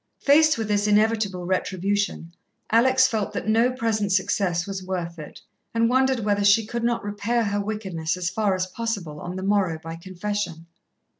Faced with this inevitable retribution, Alex felt that no present success was worth it, and wondered whether she could not repair her wickedness as far as possible on the morrow by confession.